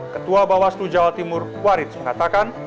ketua bawastu jawa timur warits mengatakan